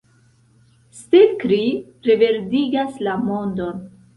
Stelkri reverdigas la mondon.